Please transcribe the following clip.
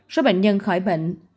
số bệnh nhân khỏi bệnh